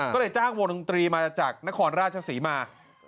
ก็เลยจ้างวงดนตรีมาจากนครราชศรีมา